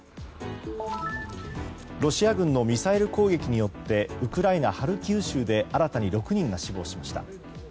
ロシア軍のミサイル攻撃によってウクライナ・ハルキウ州で新たに６人が死亡しました。